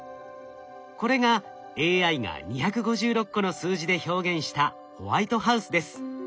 これがＡＩが２５６個の数字で表現した「ホワイトハウス」です。